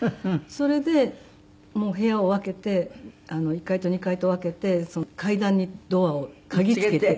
それで部屋を分けて１階と２階と分けて階段にドアを鍵つけて。